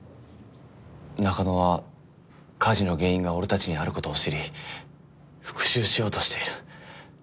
中野は火事の原因が俺たちにある事を知り復讐しようとしている。